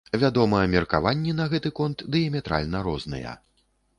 Вядома, меркаванні на гэты конт дыяметральна розныя.